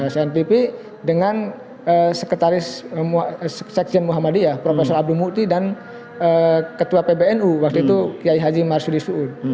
cnn tv dengan sekretaris seksyen muhammadiyah prof abdul muqti dan ketua pbnu waktu itu kiai haji marsudi suul